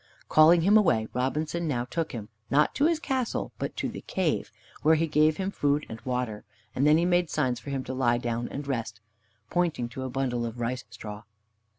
Calling him away, Robinson now took him, not to his castle, but to the cave, where he gave him food and water; and then he made signs for him to lie down and rest, pointing to a bundle of rice straw.